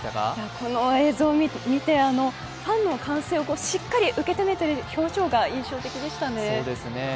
この映像見てファンの歓声を受け止めている表情が印象的でしたね。